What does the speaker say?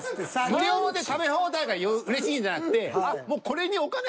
無料で食べ放題がうれしいんじゃなくて。